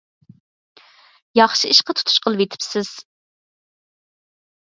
ياخشى ئىشقا تۇتۇش قىلىۋېتىپسىز.